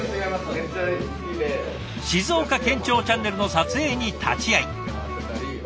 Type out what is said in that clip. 静岡県庁チャンネルの撮影に立ち会い。